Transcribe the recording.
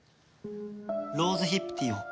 ローズヒップティーを。